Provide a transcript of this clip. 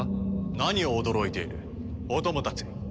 何を驚いているお供たち。